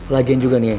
lagian juga kita kita